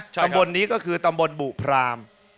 ตำบลนี้ก็คือตำบลบุพราม